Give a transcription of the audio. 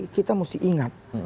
kita mesti ingat